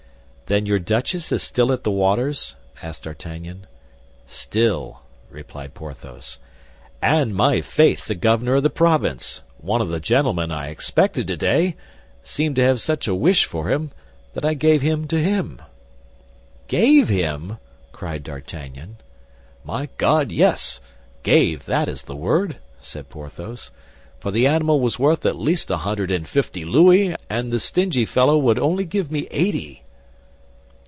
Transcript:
"Then your duchess is still at the waters?" asked D'Artagnan. "Still," replied Porthos. "And, my faith, the governor of the province—one of the gentlemen I expected today—seemed to have such a wish for him, that I gave him to him." "Gave him?" cried D'Artagnan. "My God, yes, gave, that is the word," said Porthos; "for the animal was worth at least a hundred and fifty louis, and the stingy fellow would only give me eighty."